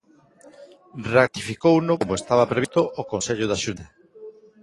Ratificouno, como estaba previsto, o Consello da Xunta.